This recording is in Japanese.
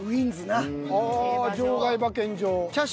ああ場外馬券場。